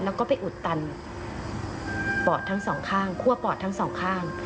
แล้วก็ไปอุดตันปอดทั้งสองข้างคั่วปอดทั้งสองข้าง